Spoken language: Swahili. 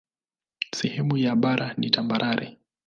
Sehemu ya bara ni tambarare.